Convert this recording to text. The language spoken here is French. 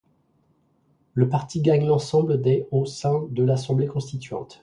Le parti gagne l’ensemble des au sein de l’assemblée constituante.